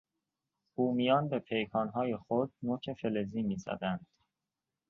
بومیان به پیکانهای خود نوک فلزی میزدند.